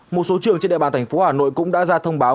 một số trường trên địa bàn thành phố hà nội cũng đã ra thông báo